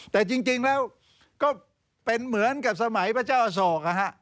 แต่จริงแล้วก็เป็นเหมือนกับสมัยพระเจ้าอโศกนะฮะ